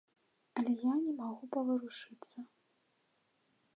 Але я не магу паварушыцца.